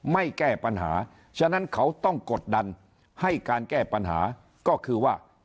ไม่แก้ปัญหาฉะนั้นเขาต้องกดดันให้การแก้ปัญหาก็คือว่า